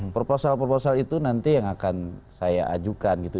proposal proposal itu nanti yang akan saya ajukan gitu